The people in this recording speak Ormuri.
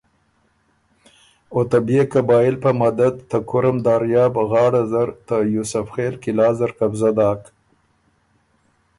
او ته بيې قبائل په مدد ته کُرم دریاب غاړه زر ته یوسف خېل قلعه زر قبضۀ داک